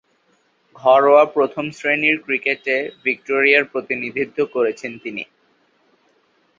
ঘরোয়া প্রথম-শ্রেণীর ক্রিকেটে ভিক্টোরিয়ার প্রতিনিধিত্ব করেছেন তিনি।